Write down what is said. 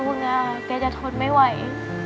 พวกนี้อ่ะแกจะทนไม่ไหว